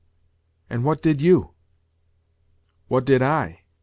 "And what did you?" "What did I?